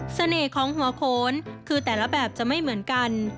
ของหัวโขนคือแต่ละแบบจะไม่เหมือนกัน